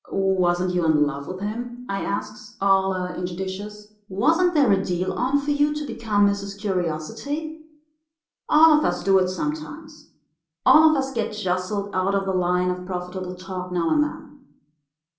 "'Wasn't you in love with him?' I asks, all injudicious. 'Wasn't there a deal on for you to become Mrs. Curiosity?' "All of us do it sometimes. All of us get jostled out of the line of profitable talk now and then.